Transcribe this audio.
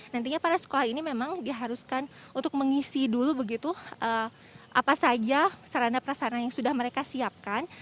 nantinya para sekolah ini memang diharuskan untuk mengisi dulu begitu apa saja sarana prasarana yang sudah mereka siapkan